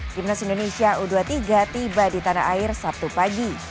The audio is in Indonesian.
timnas indonesia u dua puluh tiga tiba di tanah air sabtu pagi